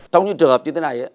trong những trường hợp như thế này